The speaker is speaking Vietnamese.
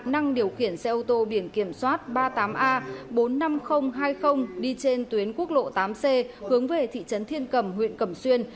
năng điều khiển xe ô tô biển kiểm soát ba mươi tám a bốn mươi năm nghìn hai mươi đi trên tuyến quốc lộ tám c hướng về thị trấn thiên cầm huyện cầm xuyên